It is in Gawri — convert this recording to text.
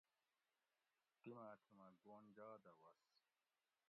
تیماۤ تھی مہ گونجا دہ وس